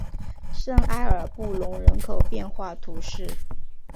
圣埃尔布隆人口变化图示